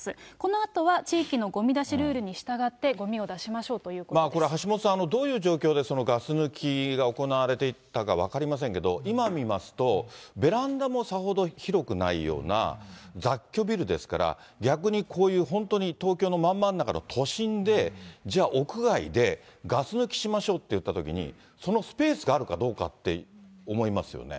このあとは地域のごみ出しルールにしたがって、ごみを出しましょこれ、橋下さん、どういう状況でガス抜きが行われていたか分かりませんけど、今見ますと、ベランダもさほど広くないような雑居ビルですから、逆にこういう、本当に東京のまん真ん中の都心で、じゃあ、屋外で、ガス抜きしましょうっていったときに、そのスペースがあるかどうかって思いますよね。